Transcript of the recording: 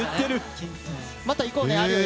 また行こうね！